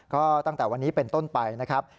ก็ตั้งแต่วันนี้เป็นต้นไปนะครับ